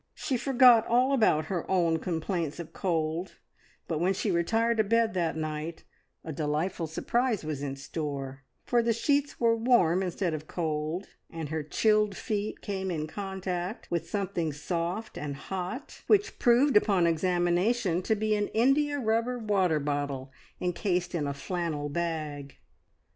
She forgot all about her own complaints of cold, but when she retired to bed that night a delightful surprise was in store, for the sheets were warm instead of cold, and her chilled feet came in contact with something soft and hot, which proved upon examination to be an indiarubber water bottle encased in a flannel bag.